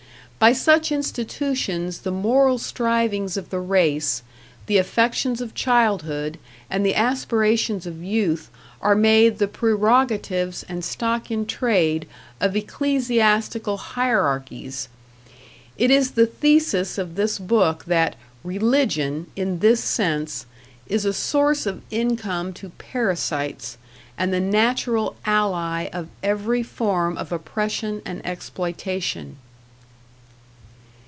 By such institutions the moral strivings of the race, the affections of childhood and the aspirations of youth are made the prerogatives and stock in trade of ecclesiastical hierarchies. It is the thesis of this book that "Religion" in this sense is a source of income to parasites, and the natural ally of every form of oppression and exploitation.